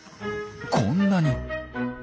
こんなに！